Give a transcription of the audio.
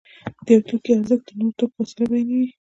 د یو توکي ارزښت د نورو توکو په وسیله بیانېږي